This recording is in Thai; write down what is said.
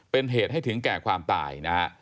เป็นเหตุให้ถึงแก่ความตายนะฮะ